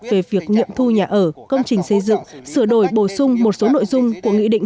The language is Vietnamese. về việc nghiệm thu nhà ở công trình xây dựng sửa đổi bổ sung một số nội dung của nghị định